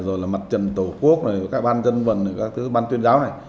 rồi là mặt trận tổ quốc các ban dân vận các thứ ban tuyên giáo này